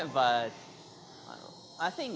bukan untuk anak anak